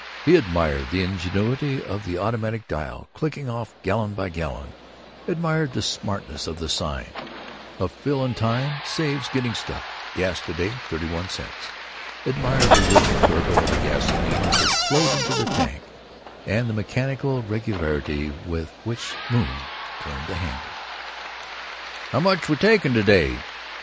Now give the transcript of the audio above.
He admired the ingenuity of the automatic dial, clicking off gallon by gallon; admired the smartness of the sign: "A fill in time saves getting stuck gas to day 31 cents"; admired the rhythmic gurgle of the gasoline as it flowed into the tank, and the mechanical regularity with which Moon turned the handle. "How much we takin' to day?"